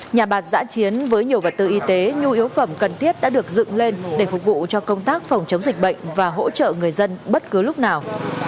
nhà bạc giã chiến với nhiều vật tư y tế nhu yếu phẩm cần thiết đã được dựng lên để phục vụ cho công tác phòng chống dịch bệnh và hỗ trợ người dân bất cứ lúc nào